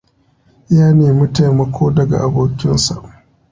Ya nemi taimako daga abokinsa.